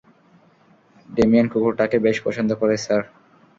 Damien কুকুরটাকে বেশ পছন্দ করে, স্যার।